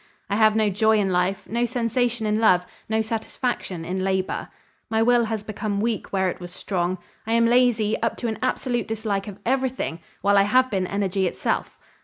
I have no joy in life, no sensation in love, no satisfaction in labor. My will has become weak where it was strong. I am lazy, up to an absolute dislike of everything, while I have been energy itself.